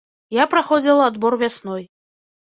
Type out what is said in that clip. Я праходзіла адбор вясной.